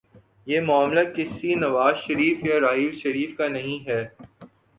یہ معاملہ کسی نواز شریف یا راحیل شریف کا نہیں ہے۔